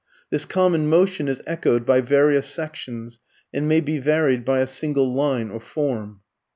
This common motion is echoed by various sections and may be varied by a single line or form.